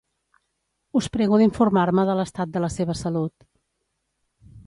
Us prego d'informar-me de l'estat de la seva salut.